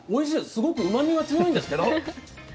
すごくうまみが強いんですけど。